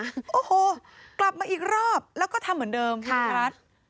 โอ้โหกลับมาอีกรอบแล้วก็ทำเหมือนเดิมคุณรัฐ